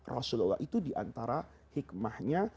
rasulullah itu diantara hikmahnya